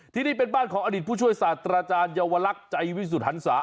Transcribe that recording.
ที่นี่เป็นบ้านของอดีตผู้ช่วยศาสตราจารย์เยาวลักษณ์ใจวิสุทธิหันศา